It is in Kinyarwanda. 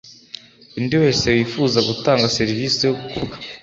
undi wese wifuza gutanga serivisi yokuvuga